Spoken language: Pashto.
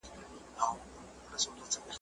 که مي ازل ستا پر لمنه سجدې کښلي نه وې `